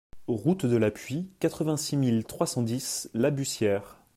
Route de la Puye, quatre-vingt-six mille trois cent dix La Bussière